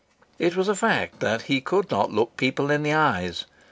It was a fact that he could not look people in the eyes.